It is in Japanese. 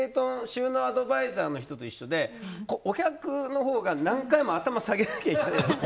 収納アドバイザーの人と一緒でお客のほうが何回も頭下げなきゃいけないんです。